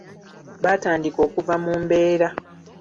Baatandika okuva mu mbeera.